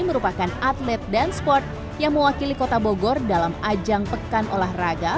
merupakan atlet danceport yang mewakili kota bogor dalam ajang pekan olahraga